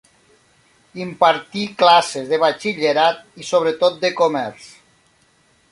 Impartí classes de batxillerat i sobretot de comerç.